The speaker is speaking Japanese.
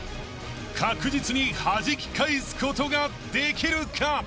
［確実にはじき返すことができるか！？］